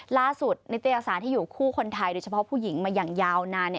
นิตยศาสตร์ที่อยู่คู่คนไทยโดยเฉพาะผู้หญิงมาอย่างยาวนาน